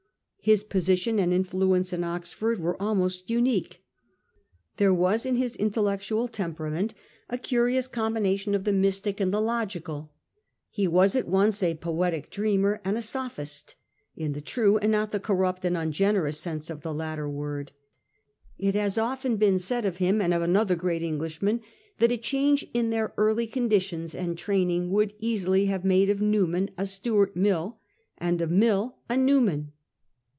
His position and influence in Oxford wete almost unique. There was in his intellectual tern 1841. DB. NEWMAN. 2.09 perament a curious combination of the mystic and the logical. He was at once a poetic dreamer and a sophist — in the true and not the corrupt and un generous sense of the latter word. It had often been said of him and of another great Englishman, that a change in their early conditions and training would easily have made of Newman a Stuart Mill, and of Mill a Newman.